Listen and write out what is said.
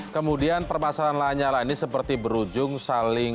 kemudian permasalahan lanyala ini seperti berujung saling